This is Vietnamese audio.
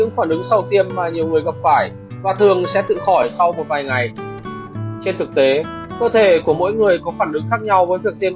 và dinh dưỡng hợp lý sau khi tiêm như sau